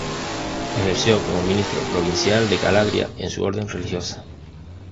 Ejerció como ministro provincial de Calabria en su orden religiosa.